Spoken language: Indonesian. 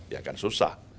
ya kan susah